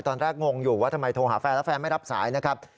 งงอยู่ว่าทำไมโทรหาแฟนแล้วแฟนไม่รับสายนะครับ